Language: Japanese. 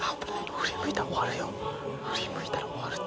振り向いたら終わるって。